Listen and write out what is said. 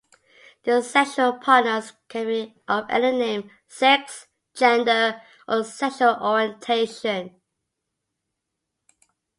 The sexual partners can be of any number, sex, gender, or sexual orientation.